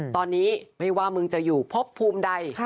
ตอนนี้ไม่ว่ามึงจะอยู่พบภูมิใด